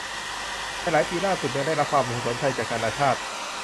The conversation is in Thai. ในหลายปีล่าสุด เมืองได้รับความความสนใจจากนานาชาติ